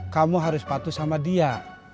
kamu harus patuh sama dia